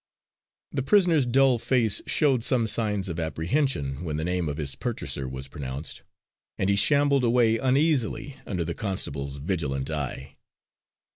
The prisoner's dull face showed some signs of apprehension when the name of his purchaser was pronounced, and he shambled away uneasily under the constable's vigilant eye.